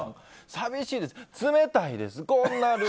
寂しいです、冷たいですこんなの。